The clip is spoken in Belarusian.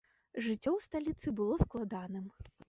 Жыццё ў сталіцы было складаным.